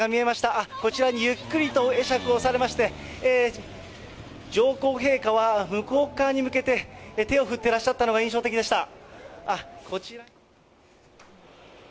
あっ、こちらにゆっくりと会釈をされまして、上皇陛下は向こうっ側に向けて手を振ってらっしゃったのが印象的でした。